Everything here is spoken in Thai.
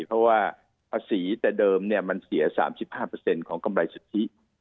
เพราะว่าภาษีแต่เดิมมันเสีย๓๕ของกำไรสุทธิ